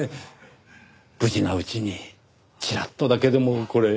無事なうちにちらっとだけでもこれ。